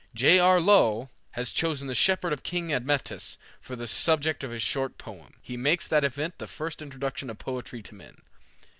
J. R. Lowell has chosen the "Shepherd of King Admetus" for the subject of a short poem. He makes that event the first introduction of poetry to men.